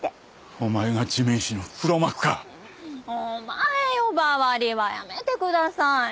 お前呼ばわりはやめてください！